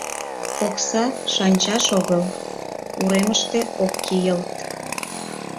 — Окса шанчаш огыл, уремыште ок кийылт.